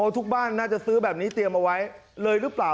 ทุกบ้านน่าจะซื้อแบบนี้เตรียมเอาไว้เลยหรือเปล่า